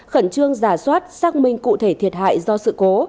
khẩn trương giả soát xác minh cụ thể thiệt hại do sự cố